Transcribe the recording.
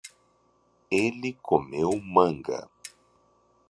ele comeu manga